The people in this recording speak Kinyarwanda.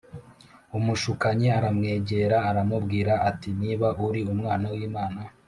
. Umushukanyi aramwegera aramubwira ati ‘Niba uri Umwana w’Imana